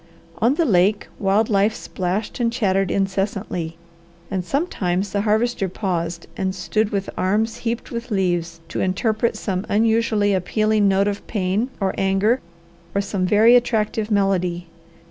On the lake wild life splashed and chattered incessantly, and sometimes the Harvester paused and stood with arms heaped with leaves, to interpret some unusually appealing note of pain or anger or some very attractive melody.